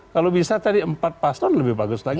kalau bisa tadi empat paslon lebih bagus lagi